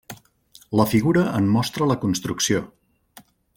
La figura en mostra la construcció.